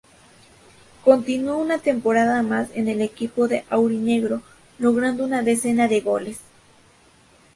Continuó una temporada más en el equipo aurinegro logrando una decena de goles.